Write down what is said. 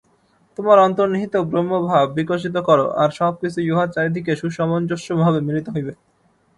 তোমার অন্তর্নিহিত ব্রহ্মভাব বিকশিত কর, আর সব-কিছুই উহার চারিদিকে সুসমঞ্জস্যভাবে মিলিত হইবে।